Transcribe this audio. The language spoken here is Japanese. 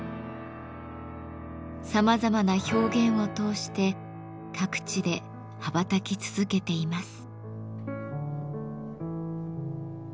さまざまな表現を通して各地で羽ばたき続けています。